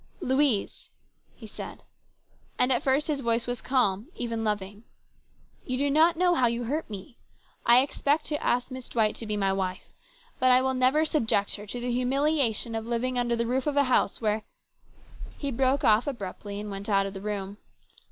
" Louise," he said, and at first his voice was calm, even loving, " you do not know how you hurt me. I expect to ask Miss Dwight to be my wife, but I will never subject her to the humiliation of living under the roof of a house where " He broke off abruptly and went out of the room.